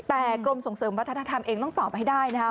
แต่กรมส่งเสริมวัฒนธรรมเองต้องตอบให้ได้นะครับ